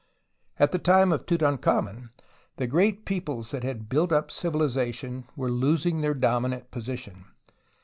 At the time of Tutankhamen the great peoples that had built up civilization were losing their dominant position.